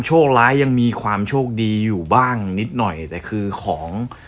โชคร้ายยังมีความโชคดีอยู่บ้างนิดหน่อยแต่คือของ